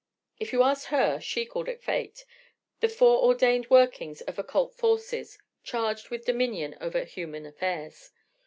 If you asked her, she called it Fate, the foreordained workings of occult forces charged with dominion over human affairs.